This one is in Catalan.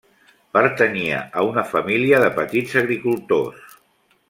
Pertanyia a una família de petits agricultors.